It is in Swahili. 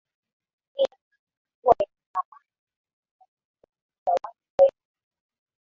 hii inaweza kuwa yenye thamani sana katika kuwasaidia watu waelewe